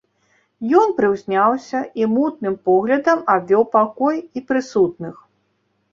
Ён прыўзняўся і мутным поглядам абвёў пакой і прысутных.